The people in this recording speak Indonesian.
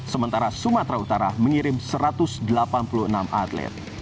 sementara sumatera utara mengirim satu ratus delapan puluh enam atlet